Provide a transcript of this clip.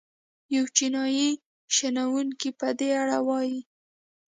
یو چینايي شنونکی په دې اړه وايي.